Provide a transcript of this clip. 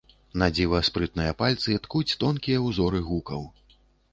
Надзіва спрытныя пальцы ткуць тонкія ўзоры гукаў.